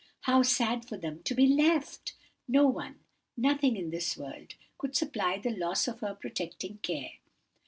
How sad for them to be left! No one—nothing—in this world, could supply the loss of her protecting care.